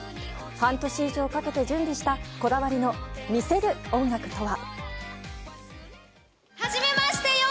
半年以上かけて準備したこだわりの見せる音楽とは。